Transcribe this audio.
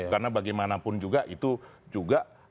karena bagaimanapun juga itu juga